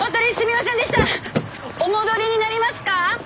お戻りになりますか？